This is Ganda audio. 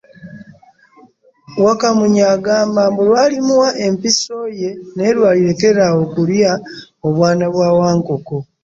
Wakamunye agamba mbu lw’alimuwa empiso ye naye lw’alirekera awo okulya obwana bwa Wankoko.